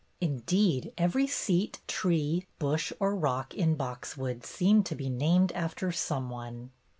Indeed, every seat, tree, bush, or rock in "Boxwood" seemed to be named after some one.